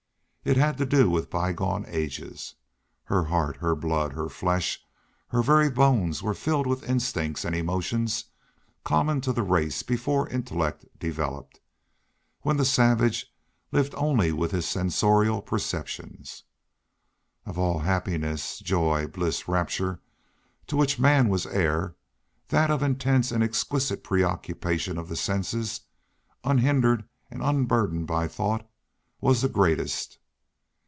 It had to do with bygone ages. Her heart, her blood, her flesh, her very bones were filled with instincts and emotions common to the race before intellect developed, when the savage lived only with his sensorial perceptions. Of all happiness, joy, bliss, rapture to which man was heir, that of intense and exquisite preoccupation of the senses, unhindered and unburdened by thought, was the greatest.